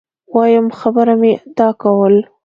وایم خبره مي دا کول